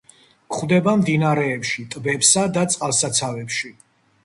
გვხვდება მდინარეებში, ტბებსა და წყალსაცავებში.